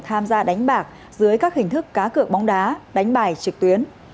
tham gia đánh bạc dưới các hình thức cá cựa bóng đá đánh bài trực tuyến